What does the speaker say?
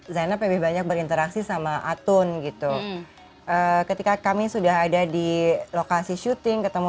zainab lebih banyak berinteraksi sama atun gitu ketika kami sudah ada di lokasi syuting ketemu